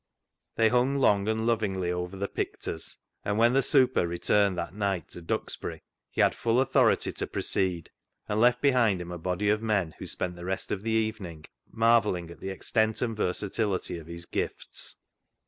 They hung long and lovingly over the " picters," and when the " super " returned that night to Duxbury he had full authority to proceed, and left behind him a body of men who spent the rest of the evening marvelling at the extent and versatility of his gifts.